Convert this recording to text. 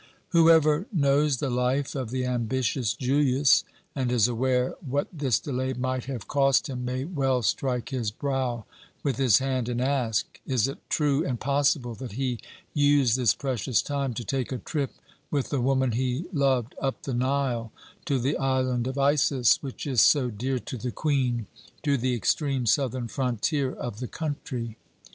"Whoever knows the life of the ambitious Julius, and is aware what this delay might have cost him, may well strike his brow with his hand, and ask, 'Is it true and possible that he used this precious time to take a trip with the woman he loved up the Nile, to the island of Isis, which is so dear to the Queen, to the extreme southern frontier of the country?'